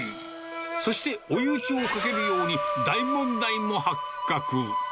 そして追い打ちをかけるように、大問題も発覚。